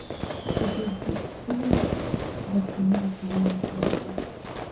چې د دیپورت د قانون له کړۍ نه خلاص وو.